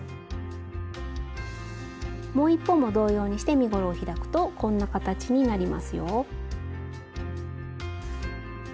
もう一方も同様にして身ごろを開くとこんな形になりますよ。